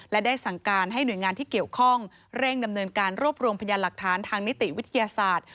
และได้สั่งการให้หน่วยงานที่เกี่ยวข้องเร่งดำเนินการรวบรวมพยานหลักฐานทางนิติวิทยาศาสตร์